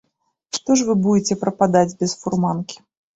Што ж вы будзеце прападаць без фурманкі.